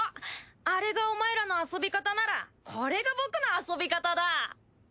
あれがお前らの遊び方ならこれが僕の遊び方だ！